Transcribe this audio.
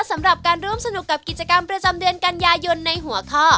สำหรับการร่วมสนุกกับกิจกรรมประจำเดือนกันยายนในหัวข้อ